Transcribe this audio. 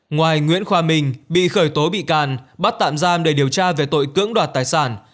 ngoài nguyễn khoa minh bị khởi tố bị can bắt tạm giam để điều tra về tội cưỡng đoạt tài sản